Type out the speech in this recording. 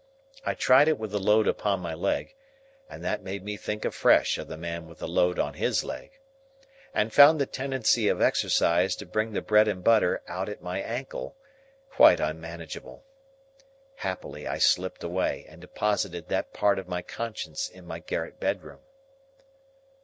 I tried it with the load upon my leg (and that made me think afresh of the man with the load on his leg), and found the tendency of exercise to bring the bread and butter out at my ankle, quite unmanageable. Happily I slipped away, and deposited that part of my conscience in my garret bedroom.